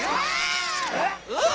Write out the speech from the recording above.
うわ！